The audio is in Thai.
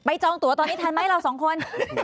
จองตัวตอนนี้ทันไหมเราสองคน